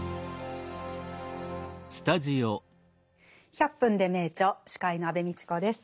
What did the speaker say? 「１００分ｄｅ名著」司会の安部みちこです。